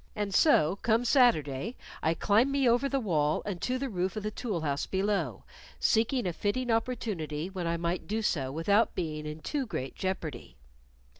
And so come Saturday, I climb me over the wall and to the roof of the tool house below, seeking a fitting opportunity when I might so do without being in too great jeopardy.